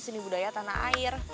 seni budaya tanah air